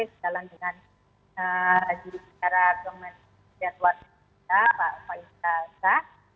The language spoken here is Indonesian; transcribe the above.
sedalam dengan juri kera argument network kita pak faizal shah